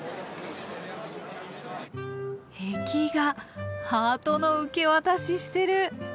壁画ハートの受け渡ししてる。